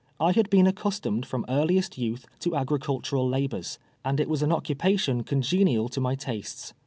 I had been accustomed fi'om earliest youth to agricultural labors, and it was an occupation conge nial to my tastes.